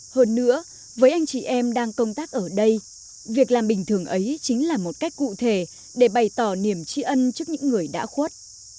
hơn nữa với anh chị em đang công tác ở đây việc làm bình thường ấy chính là một cách cụ thể để bày tỏ niềm tri ân trước những người đã khuất